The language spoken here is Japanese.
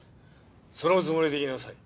そのつもりでいなさい。